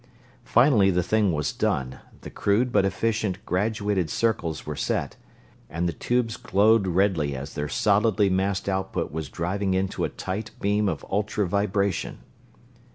Finally the thing was done, the crude but efficient graduated circles were set, and the tubes glowed redly as their solidly massed output was driving into a tight beam of ultra vibration.